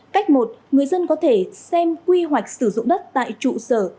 cách một người dân có thể xem quy hoạch sử dụng đất tại trụ sở